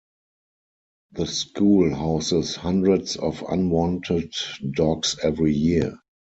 The school houses hundreds of unwanted dogs every year.